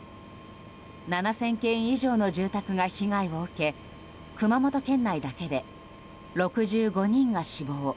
７０００軒以上の住宅が被害を受け熊本県内だけで６５人が死亡。